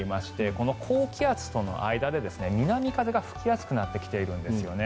この高気圧との間で南風が吹きやすくなってきているんですよね。